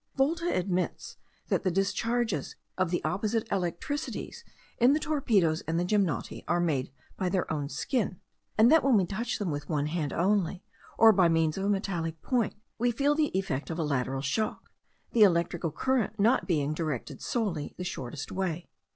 Volta admits that the discharges of the opposite electricities in the torpedos and the gymnoti are made by their own skin, and that when we touch them with one hand only, or by means of a metallic point, we feel the effect of a lateral shock, the electrical current not being directed solely the shortest way.